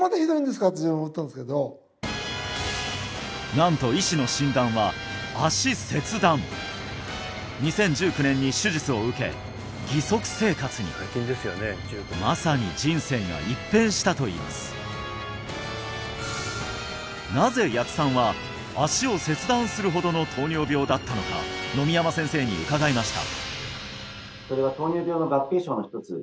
なんと医師の診断は脚切断２０１９年に手術を受け義足生活にまさに人生が一変したといいますするほどの糖尿病だったのか野見山先生に伺いました